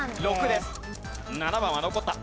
７番は残った。